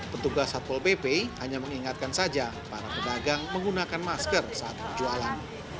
petugas satpol pp hanya mengingatkan saja para pedagang menggunakan masker saat berjualan